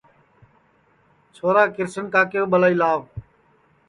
چھورا کرشنا کاکے کُو ٻلائی لاو